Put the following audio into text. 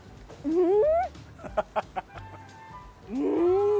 うん。